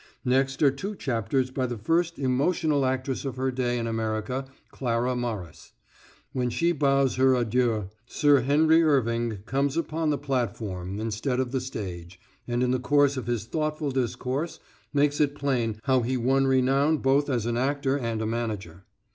Next are two chapters by the first emotional actress of her day in America, Clara Morris. When she bows her adieu, Sir Henry Irving comes upon the platform instead of the stage, and in the course of his thoughtful discourse makes it plain how he won renown both as an actor and a manager.